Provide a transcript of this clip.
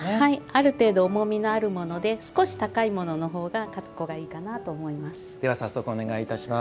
ある程度重みのあるもので少し高いものの方がかっこいいかなと思います。